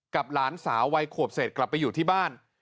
หลานสาววัยขวบเสร็จกลับไปอยู่ที่บ้าน